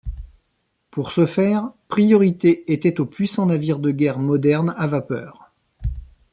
Pour ce faire, priorité était aux puissant navires de guerre modernes à vapeur.